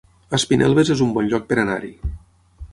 Espinelves es un bon lloc per anar-hi